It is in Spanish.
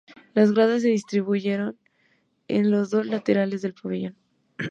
Las gradas se distribuyen en los dos laterales del pabellón.